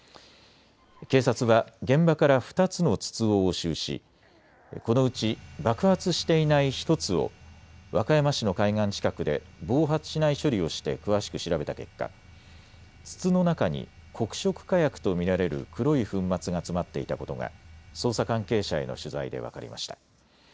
警察は現場から２つの筒を押収しこのうち爆発していない１つを和歌山市の海岸近くで暴発しない処理をして詳しく調べた結果、筒の中に黒色火薬と見られる黒い粉末が詰まっていたことが捜査関係者への取材で分かりました。